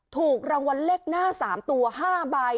ถูกรางวัลเลขหน้า๓ตัว๕ใบ